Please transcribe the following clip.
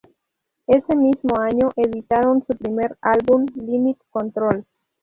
Ese mismo año editaron su primer álbum, "Limit Control".